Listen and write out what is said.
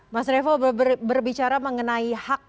mas revo berbicara mengenai hak